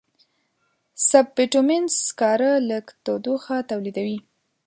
سب بټومینس سکاره لږ تودوخه تولیدوي.